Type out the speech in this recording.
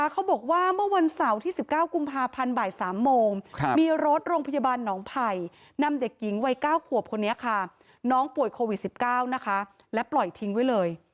๙ขัวผู้ป่วยโควิด๑๙และปล่อยทิ้งไว้เลย